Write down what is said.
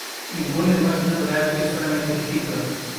Ningún lenguaje natural es solamente escrito.